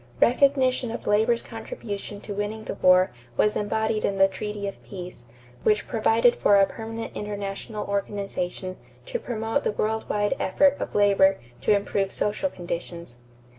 Recognition of labor's contribution to winning the war was embodied in the treaty of peace, which provided for a permanent international organization to promote the world wide effort of labor to improve social conditions.